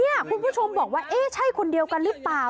คุณผู้ชมบอกว่าเอ๊ะใช่คนเดียวกันหรือเปล่า